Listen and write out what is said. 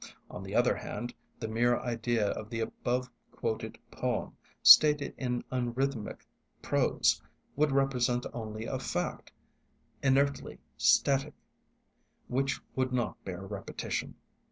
On the other hand, the mere idea of the above quoted poem, stated in unrhythmic prose, would represent only a fact, inertly static, which would not bear repetition.